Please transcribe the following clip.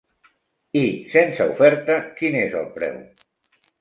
I sense oferta, quin és el preu?